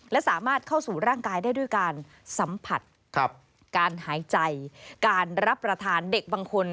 และสามารถเข้าสู่ร่างกายได้ด้วยการสัมผัสการหายใจการรับประทานเด็กบางคน